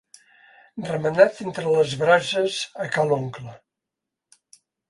Remenat entre les brases a ca l'oncle.